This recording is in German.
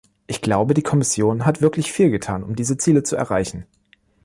Ich glaube, die Kommission hat wirklich viel getan, um diese Ziele zu erreichen.